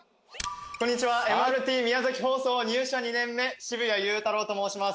こんにちはＭＲＴ宮崎放送入社２年目澁谷祐太朗と申します